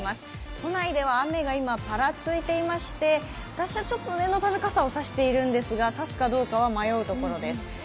都内では雨が今、パラついていまして、私は念のため傘を差しているんですが、差すかどうかは迷うところです。